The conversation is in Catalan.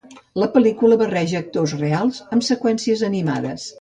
La pel·lícula barreja actors reals amb seqüències animades.